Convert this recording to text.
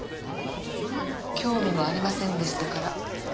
興味もありませんでしたから。